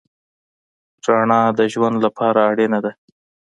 رڼا د ژوند لپاره اړینه ده.